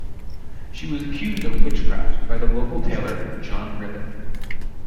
She was accused of witchcraft by local tailor John Rivet.